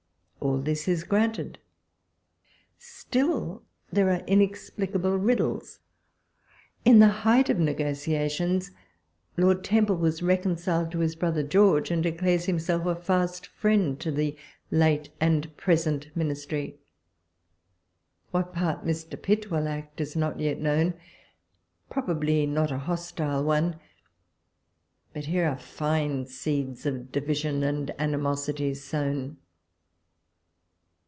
All this is granted. Still there are inexplicable riddles. In the height of negotiations, Lord Temple Avas reconciled to his brother George, and declares himself a fast friend to the late and present Ministry. What part Mr. Pitt will act is not yet known — probably not a hostile one ; but here are fine seeds of division and animosity sown